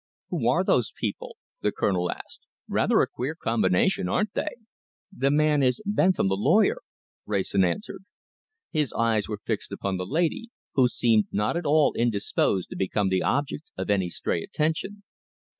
"Who are those people?" the Colonel asked. "Rather a queer combination, aren't they?" "The man is Bentham, the lawyer," Wrayson answered. His eyes were fixed upon the lady, who seemed not at all indisposed to become the object of any stray attention.